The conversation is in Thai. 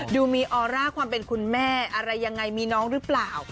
ดูมีออร่าความเป็นคุณแม่อะไรยังไงมีน้องหรือเปล่า